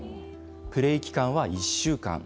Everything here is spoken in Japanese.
プレー期間は１週間。